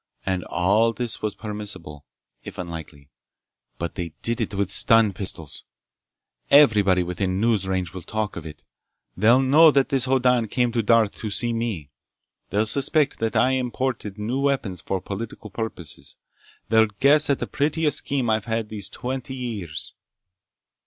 And all this was permissible, if unlikely. But they did it with stun pistols! Everybody within news range will talk of it! They'll know that this Hoddan came to Darth to see me! They'll suspect that I imported new weapons for political purposes! They'll guess at the prettiest scheme I've had these twenty years!"